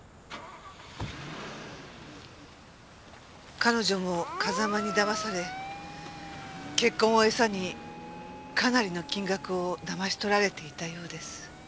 彼女も風間に騙され結婚をエサにかなりの金額を騙し取られていたようです。